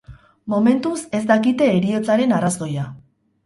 Momentuz, ez dakite heriotzaren arrazoia.